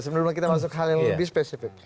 sebelumnya kita masuk ke hal yang lebih spesifik